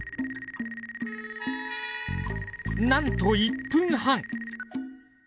なんと１分半！